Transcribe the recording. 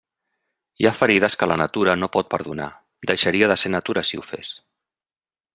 Hi ha ferides que la natura no pot perdonar; deixaria de ser natura si ho fes.